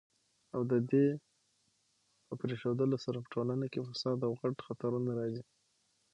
او ددي په پريښودلو سره په ټولنه کي فساد او غټ خطرونه راځي